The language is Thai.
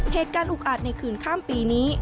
เหตุการณ์อุกอาจในคืนข้ามปีนี้